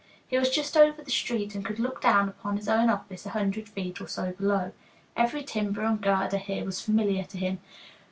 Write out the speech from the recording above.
He was just over the street, and could look down upon his own office, a hundred feet or so below. Every timber and girder here was familiar to him.